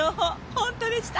本当でした。